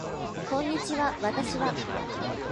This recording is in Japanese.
こんにちは私は